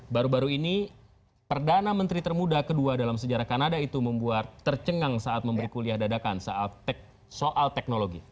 baru baru ini perdana menteri termuda kedua dalam sejarah kanada itu membuat tercengang saat memberi kuliah dadakan soal teknologi